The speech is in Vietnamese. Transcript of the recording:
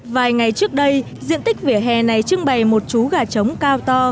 vài ngày trước đây diện tích vỉa hè này trưng bày một chú gà trống cao to